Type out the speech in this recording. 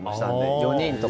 ４人とか。